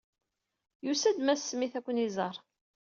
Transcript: Yusa-d Mass Smith ad ken-iẓeṛ.